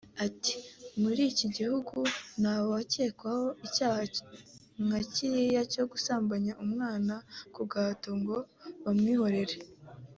Ati ’Muri iki gihugu ntawakekwaho icyaha nka kiriya cyo gusambanya umwana ku gahato ngo bamwihorere